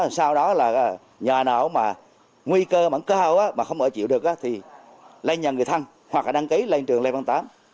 sau đó là nhà nào mà nguy cơ vẫn cao mà không ở chịu được thì lên nhà người thân hoặc là đăng ký lên trường lê văn tám